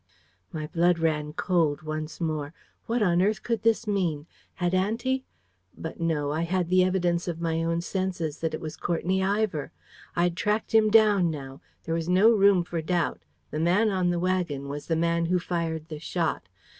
My blood ran cold once more. What on earth could this mean? Had Auntie ? But no. I had the evidence of my own senses that it was Courtenay Ivor. I'd tracked him down now. There was no room for doubt. The man on the wagon was the man who fired the shot.